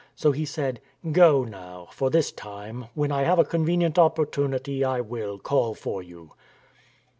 So he said : "Go now, for this time; when I have a convenient opportunity, I will call for you."